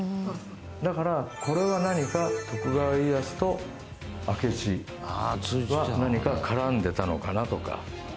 だからこれは何か徳川家康と明智は何か絡んでたのかなとか。